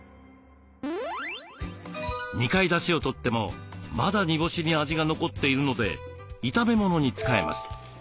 ２回だしをとってもまだ煮干しに味が残っているので炒め物に使えます。